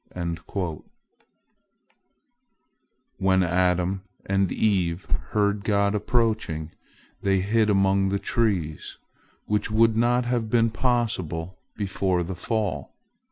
" When Adam and Eve heard God approaching, they hid among the trees—which would not have been possible before the fall.